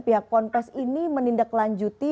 pihak ponpes ini menindaklanjuti